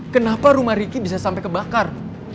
kenapa rumah riki bisa sampai kebakar